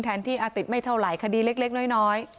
ที่อาติดไม่เท่าไหร่คดีเล็กน้อย